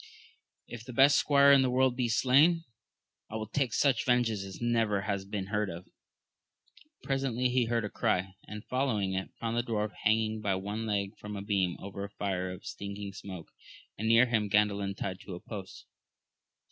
If the best squire in the world be slain, I will take such vengeance as never has been heard of. Presently he heard a cry, and following it found the dwarf hang ing by one leg from a beam over a fire of stinking smoke, and near him Gandalin tied to a post.